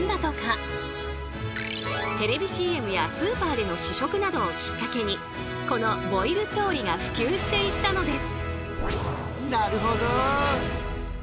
テレビＣＭやスーパーでの試食などをきっかけにこのボイル調理が普及していったのです。